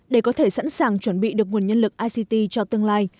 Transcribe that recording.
để có thể sẵn sàng chuẩn bị được nguồn nhân lực ict cho tương lai